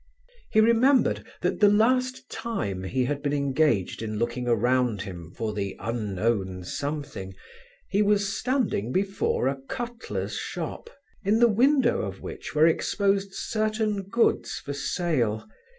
He remembered that the last time he had been engaged in looking around him for the unknown something, he was standing before a cutler's shop, in the window of which were exposed certain goods for sale.